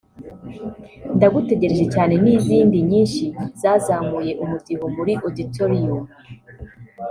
Ndagutegereje Cyane n’izindi nyinshi zazamuye umudiho muri Auditorium